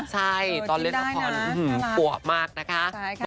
ใช่ตอนเล็กพรหัวมากนะคะ